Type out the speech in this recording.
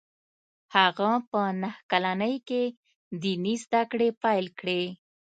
هغه په نهه کلنۍ کې ديني زده کړې پیل کړې